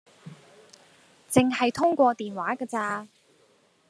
淨係通過電話架咋